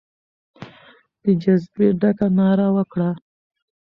د جذبې ډکه ناره وکړه.